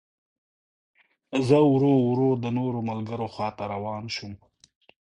زه ورو ورو د نورو ملګرو خوا ته روان شوم.